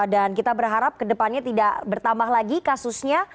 dan kita berharap kedepannya tidak bertambah lagi kasusnya